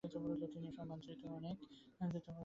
তিনি সমাদৃত।